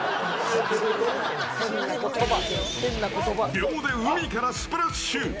秒で海からスプラッシュ。